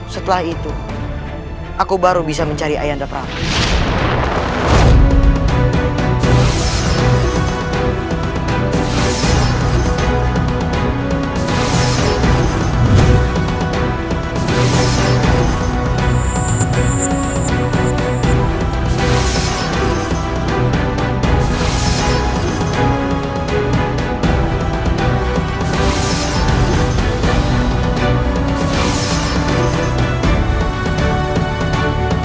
setelah itu aku baru bisa mencari ayah anda prabu